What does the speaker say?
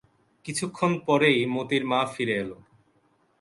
কিছুক্ষণ পরেই মোতির মা ফিরে এল।